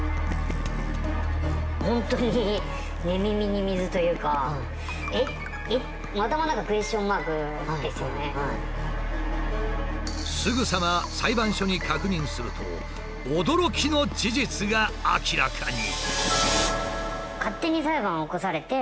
本当にすぐさま裁判所に確認すると驚きの事実が明らかに。